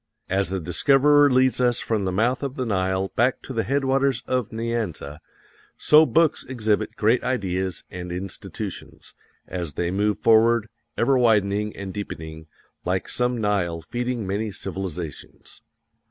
As the discoverer leads us from the mouth of the Nile back to the headwaters of Nyanza, so books exhibit great ideas and institutions, as they move forward, ever widening and deepening, like some Nile feeding many civilizations.